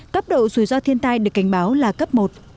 cấp độ dù do thiên tai được cảnh báo là cấp một